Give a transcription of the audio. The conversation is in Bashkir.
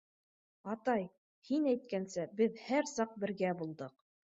— Атай, һин әйткәнсә, беҙ һәр саҡ бергә булдыҡ.